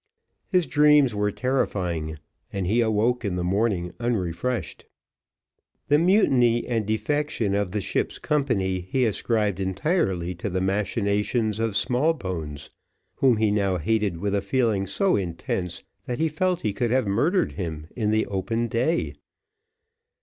His dreams were terrifying, and he awoke in the morning unrefreshed. The mutiny and defection of the ship's company, he ascribed entirely to the machinations of Smallbones, whom he now hated with a feeling so intense, that he felt he could have murdered him in the open day.